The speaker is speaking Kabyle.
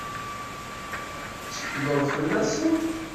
Tettekleḍ fell-asen?